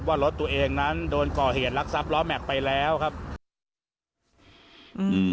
ว่ารถตัวเองนั้นโดนก่อเหตุลักษัพล้อแม็กซ์ไปแล้วครับอืม